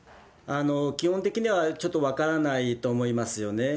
基本的にはちょっと分からないと思いますよね。